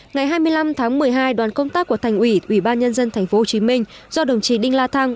ngày hai mươi năm tháng một mươi hai đoàn công tác của thành ủy ủy ban nhân dân tp hcm do đồng chí đinh la thăng